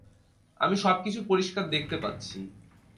আমি সবকিছু পরিষ্কার দেখতে পাচ্ছি।